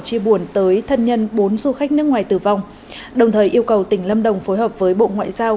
chia buồn tới thân nhân bốn du khách nước ngoài tử vong đồng thời yêu cầu tỉnh lâm đồng phối hợp với bộ ngoại giao